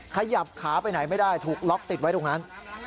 ขยับขาไปไหนไม่ได้ถูกล็อกติดไว้ตรงนั้น